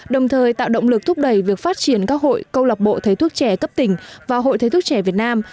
đồng thời tạo động lực thúc đẩy việc phát triển các hội câu lọc bộ thầy thuốc trẻ cấp tỉnh và hội thầy thuốc trẻ việt nam